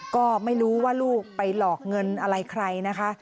ก็ไม่รู้ว่าลูกไปหลอกเงินอะไรใครนะคะ